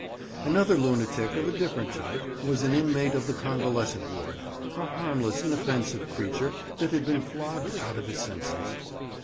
Another lunatic of a different type was an inmate of the convalescent ward, a harmless, inoffensive creature, that had been flogged out of his senses.